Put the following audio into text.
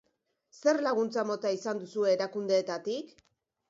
Zer laguntza mota izan duzue erakundeetatik?